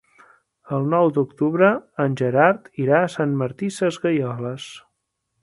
El nou d'octubre en Gerard irà a Sant Martí Sesgueioles.